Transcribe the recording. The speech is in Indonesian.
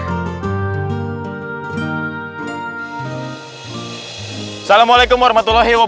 assalamualaikum warahmatullahi wabarakatuh